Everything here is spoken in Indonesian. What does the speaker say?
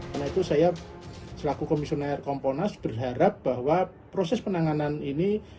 karena itu saya selaku komisioner komponas berharap bahwa proses penanganan ini